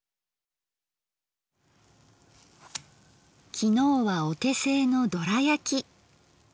昨日はお手製のドラやき。